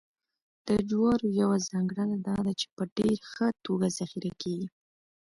د جوارو یوه ځانګړنه دا ده چې په ډېره ښه توګه ذخیره کېږي